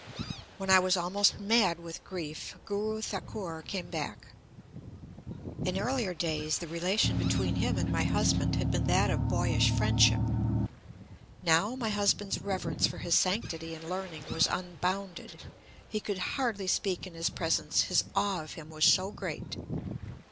"When I was almost mad with grief, Guru Thakur came back. In earlier days, the relation between him and my husband had been that of boyish friendship. Now, my husband's reverence for his sanctity and learning was unbounded. He could hardly speak in his presence, his awe of him was so great.